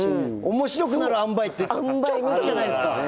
面白くなるあんばいってちょっとじゃないですか。